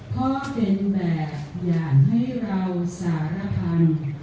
พ่อเป็นแบบอย่างให้เราสารพัน